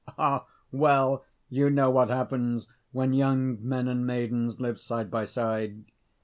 Well, you know what happens when young men and maidens live side by side.